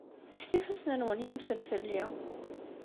Kkset ifassen-nwen yumsen fell-i!